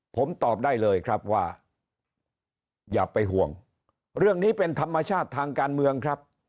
ผมตอบได้เลยครับว่าอย่าไปห่วงเรื่องนี้เป็นธรรมชาติทางการเมืองครับ